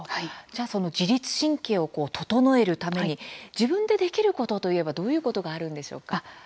自律神経を整えるために自分でできることといえばどういうことがあるんでしょうか。